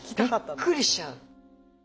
びっくりしちゃう。